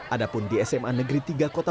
ada pun di sma negeri tiga kota